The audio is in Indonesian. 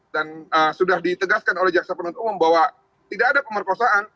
dan sudah ditegaskan oleh jaksa penuntut umum bahwa tidak ada pemerkosaan